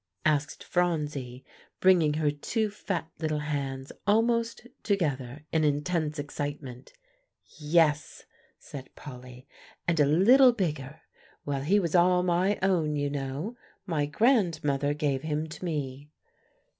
asked Phronsie, bringing her two fat little hands almost together in intense excitement. "Yes," said Polly, "and a little bigger. Well, he was all my own, you know; my grandmother gave him to me."